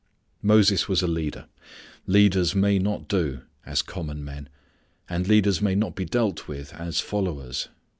Moses was a leader. Leaders may not do as common men. And leaders may not be dealt with as followers.